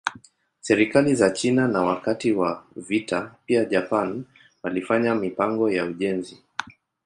Serikali za China na wakati wa vita pia Japan walifanya mipango ya ujenzi.